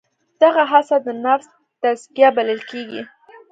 دغه هڅه د نفس تزکیه بلل کېږي.